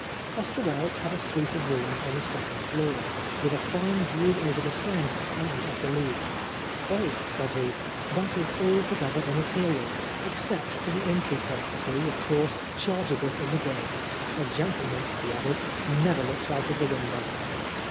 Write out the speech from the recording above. Oscar Wilde had a suite of rooms on the second floor, with a fine view over the Seine and of the Louvre. I remarked upon the beauty of the sight. 25 Oscar Wilde " Oh," said he, " that is altogether im material, except to the innkeeper, who, of course, charges it in the bill. A gentle man/' he added, " never looks out of the window.'''